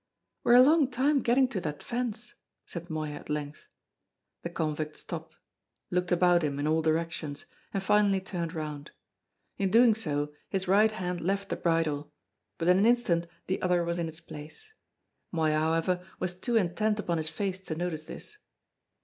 "We're a long time getting to that fence," said Moya at length. The convict stopped, looked about him in all directions, and finally turned round. In doing so his right hand left the bridle, but in an instant the other was in its place. Moya, however, was too intent upon his face to notice this.